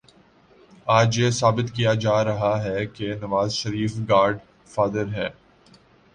آج یہ ثابت کیا جا رہا ہے کہ نوازشریف گاڈ فادر ہے۔